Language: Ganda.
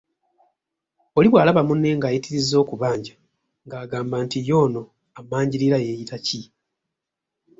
Oli bwalaba munne ngayitirizza okubanja ng'agamba nti ye ono ammanjirira yeeyita ki?